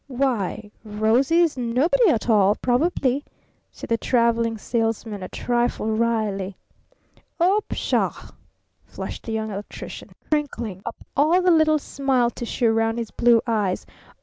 "Why, 'Rosie' is nobody at all probably," said the Traveling Salesman a trifle wryly. "Oh, pshaw!" flushed the Young Electrician, crinkling up all the little smile tissue around his blue eyes.